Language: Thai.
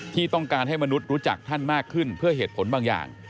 ที่ต้องการให้มนุษย์รู้จักท่านมากขึ้นเพื่อเหตุผลบางอย่าง